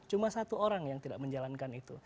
cuma satu orang yang tidak menjalankan itu